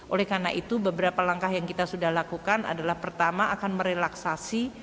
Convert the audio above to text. oleh karena itu beberapa langkah yang kita sudah lakukan adalah pertama akan merelaksasi